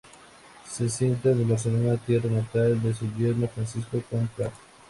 Se asientan en Barcelona, tierra natal de su yerno Francisco Colom Prat.